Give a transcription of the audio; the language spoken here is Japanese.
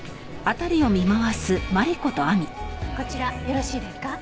こちらよろしいですか？